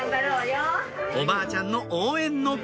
おばあちゃんの応援の声